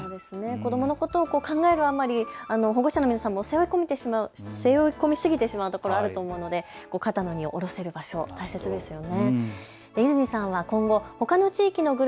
子どものことを考えるあまり保護者の皆さんも背負い込みすぎてしまうということはあると思うので肩の荷を降ろせる場所大切ですよね。